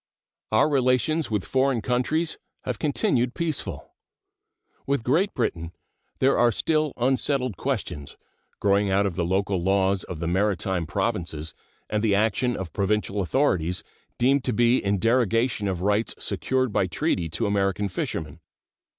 Our relations with foreign countries have continued peaceful. With Great Britain there are still unsettled questions, growing out of the local laws of the maritime provinces and the action of provincial authorities deemed to be in derogation of rights secured by treaty to American fishermen.